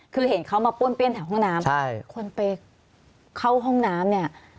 คือเห็นเขามาป้วนเปี้ยนแถวห้องน้ำใช่คนไปเข้าห้องน้ำเนี่ย